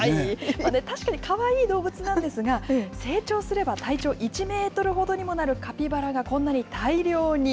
確かにかわいい動物なんですが、成長すれば体長１メートルほどにもなるカピバラがこんなに大量に。